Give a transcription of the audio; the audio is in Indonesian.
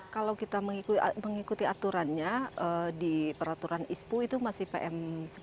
kalau kita mengikuti aturannya di peraturan ispu itu masih pm sepuluh